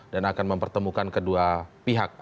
dan akan mempertemukan kedua pihak